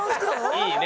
いいね。